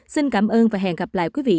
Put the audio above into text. xin cảm ơn và hẹn gặp lại quý vị